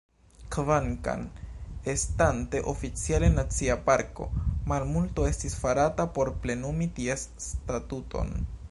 Kvankam estante oficiale nacia parko, malmulto estis farata por plenumi ties statuton.